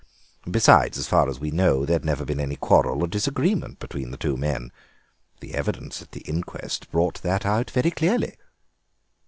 Besides, as far as we know, there had never been any quarrel or disagreement between the two men. The evidence at the inquest brought that out very clearly."